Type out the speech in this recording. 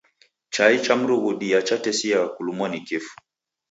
Chai cha mrunghundia chatesiagha kulumwa ni kifu.